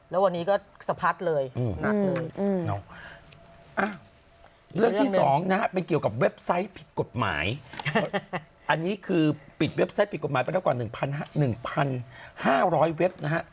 แล้วเรื่องเกิด๑๖นะฮะเกิดวันเต